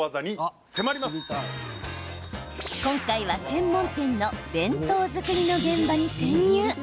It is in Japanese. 今回は、専門店の弁当作りの現場に潜入。